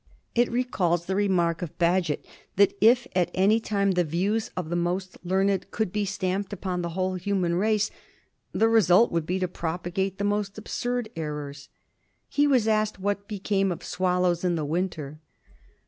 It recalls the remark of Bagehot, that if at any time the views of the most learned could be stamped upon the whole human race the result would be to propagate the most absurd errors. He was asked what became of swallows in the winter.